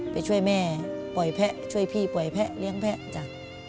ไปช่วยแม่ปล่อยแพะช่วยพี่ปล่อยแพะเลี้ยงแพะจ้ะ